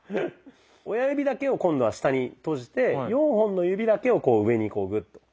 親指だけを今度は下に閉じて４本の指だけを上にこうグッと。